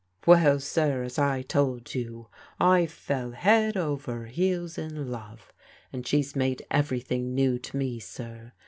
" Well, sir, as I told you, I fell head over heels in love, and she's made everything new to me, sir.